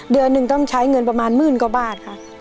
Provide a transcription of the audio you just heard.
เดือนหนึ่งต้องใช้เงินประมาณหมื่นกว่าบาทค่ะ